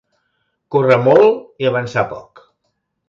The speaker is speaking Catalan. Córrer molt i avançar poc.